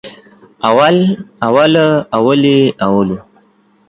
اول، اوله، اولې، اولو